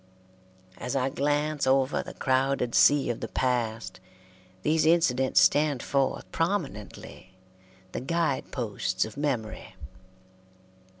As I glance over the crowded sea of the past, these incidents stand forth prominently, the guide posts of memory.